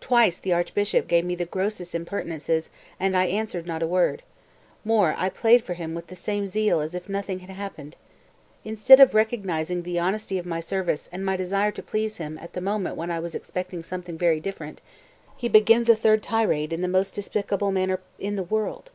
217. "Twice the Archbishop gave me the grossest impertinences and I answered not a word; more, I played for him with the same zeal as if nothing had happened. Instead of recognizing the honesty of my service and my desire to please him at the moment when I was expecting something very different, he begins a third tirade in the most despicable manner in the world."